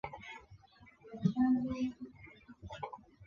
诸冢村是位于日本宫崎县北部的一个村。